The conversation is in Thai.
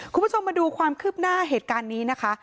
คุณผู้ชมมาดูความคืบหน้าเหตุการณ์นี้นะคะ